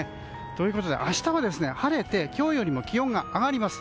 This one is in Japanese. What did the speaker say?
ということで明日は晴れて今日よりも気温が上がります。